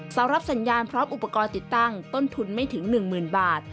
สำหรับสัญญาณพร้อมอุปกรณ์ติดตั้งต้นทุนไม่ถึง๑๐๐๐บาท